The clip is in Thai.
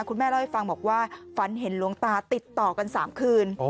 คุณแม่เล่าให้ฟังบอกว่าฝันเห็นหลวงตาติดต่อกัน๓คืน